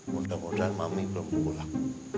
mudah mudahan mami belum pulang